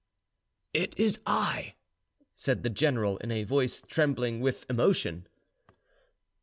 "It is I," said the general, in a voice trembling with emotion.